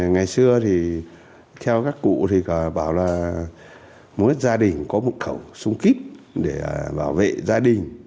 ngày xưa thì theo các cụ thì bảo là mỗi gia đình có một khẩu súng kíp để bảo vệ gia đình